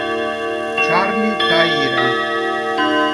Charlie Tyra